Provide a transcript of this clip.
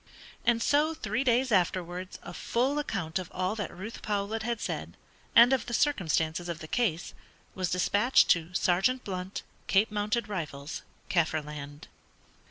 And so three days afterwards a full account of all that Ruth Powlett had said, and of the circumstances of the case, was despatched to "Sergeant Blunt, Cape Mounted Rifles, Kaffirland."